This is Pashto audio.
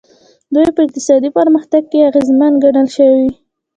دوی په اقتصادي پرمختګ کې اغېزمنې ګڼل شوي.